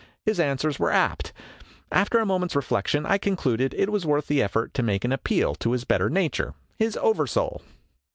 His answers were apt. After a moment's reflection I concluded it was worth the effort to make an appeal to his better nature his over soul.